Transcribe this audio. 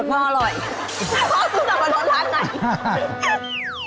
พ่อซึ่งสับปะรดร้านไหน